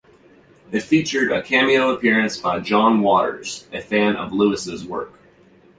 It featured a cameo appearance by John Waters, a fan of Lewis' work.